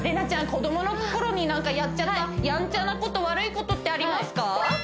子供の頃になんかやっちゃったやんちゃなこと悪いことってありますか？